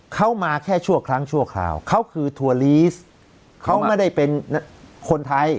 เขามาแค่ชั่วครั้งชั่วคราวเขาคือทัวลีสเขาไม่ได้เป็นคนไทย